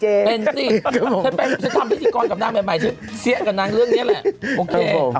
ฉันทำพิษีกรกับนางใหม่ฉันเสี้ยกับนางเรื่องนี้แหละ